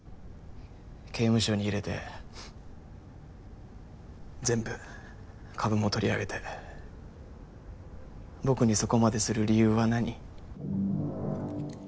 刑務所に入れて全部株も取り上げて僕にそこまでする理由は何？